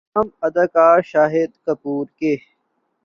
تاہم اداکار شاہد کپور کے